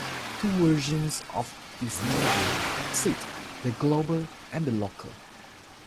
Two versions of this measure exist: the global and the local.